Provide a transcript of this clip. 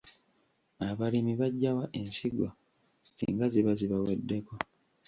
Abalimi baggyawa ensigo singa ziba zibaweddeko?